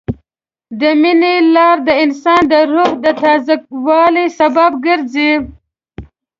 د مینې لار د انسان د روح د تازه والي سبب ګرځي.